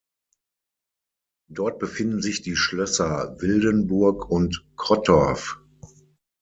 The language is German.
Dort befinden sich die Schlösser Wildenburg und Crottorf.